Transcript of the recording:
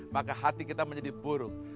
maka hati kita menjadi buruk